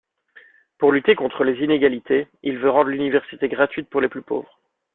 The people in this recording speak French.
Pour lutter contre les inégalités, il veut rendre l'université gratuite pour les plus pauvres.